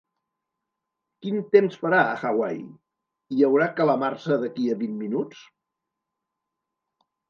Quin temps farà a Hawaii? Hi haurà calamarsa d'aquí a vint minuts?